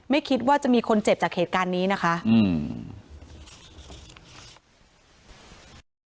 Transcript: ไม่คิดว่าจะมีคนเจ็บจากเหตุการณ์นี้นะคะอืม